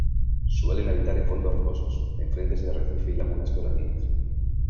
Suelen habitar en fondos rocosos, en frentes de arrecife y lagunas coralinas.